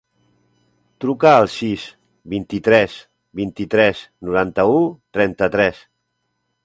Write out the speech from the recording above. Truca al sis, vint-i-tres, vint-i-tres, noranta-u, trenta-tres.